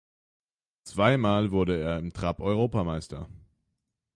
Zweimal wurde er im Trap Europameister.